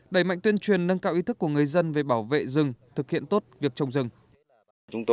đẩy mạnh tuyên truyền nâng cao ý thức của người dân về bảo vệ rừng thực hiện tốt việc trồng rừng